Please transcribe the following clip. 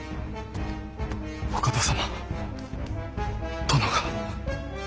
お方様殿が。